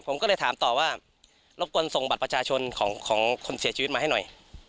ผมก็เลยถามต่อว่ารบกวนส่งบัตรประชาชนของคนเสียชีวิตมาให้หน่อย